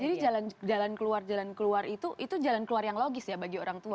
jadi jalan keluar jalan keluar itu itu jalan keluar yang logis ya bagi orang tua